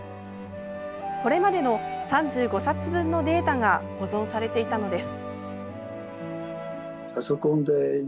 これまでの３５冊分のデータが保存されていたのです。